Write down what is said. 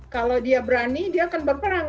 kalau dia berani dia akan berperang